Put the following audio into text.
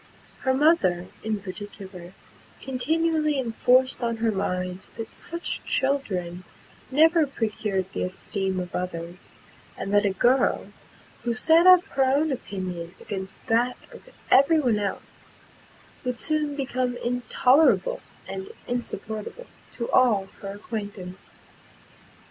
Her mother, in particular, continually enforced on her mind, that such children never procured the esteem of others; and that a girl, who set up her own opinion against that of every one else, would soon become intolerable and insupportable to all her acquaintance.